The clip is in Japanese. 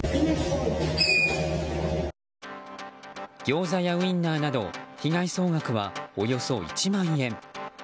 ギョーザやウインナーなど被害総額は、およそ１万円。